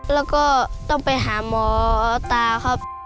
แล้วก็ต้องไปหาหมอเอาตาครับ